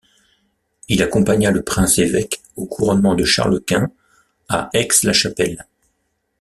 Il accompagna le Prince-évêque au couronnement de Charles Quint à Aix-la-Chapelle.